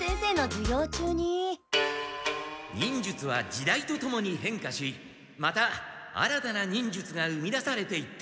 忍術は時代とともにへんかしまた新たな忍術が生み出されていった。